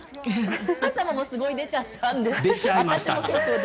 お母様もすごい出ちゃった。